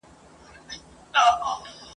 یا علاج ته دي راغلی طبیب غل سي !.